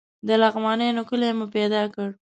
د لغمانیانو کلی مو پیدا کړ.